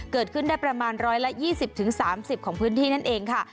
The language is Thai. เกิดขึ้นได้ประมาณ๑๒๐๓๐ของพื้นที่นั่นเองค่ะ